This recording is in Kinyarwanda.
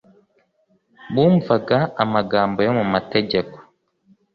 bumvaga am agambo yo mu mategeko